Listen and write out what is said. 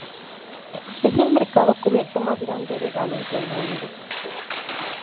Es el mercado cubierto más grande de Gales, Reino Unido.